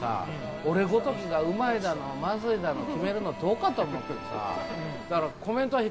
俺ごときがうまいだの、まずいだの決めるの、どうかと思ってさ。